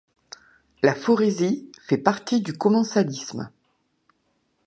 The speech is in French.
La phorésie fait partie du commensalisme.